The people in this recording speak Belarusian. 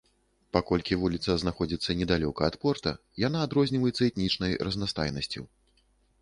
Паколькі вуліца знаходзіцца недалёка ад порта, яна адрозніваецца этнічнай разнастайнасцю.